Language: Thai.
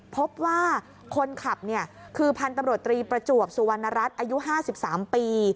พบว่าคนขับคือพันธุ์ตำรวจตรีประจวบสุวรรณรัฐอายุ๕๓ปี